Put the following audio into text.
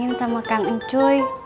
kita bisa pernah bahkan sama kang ncuy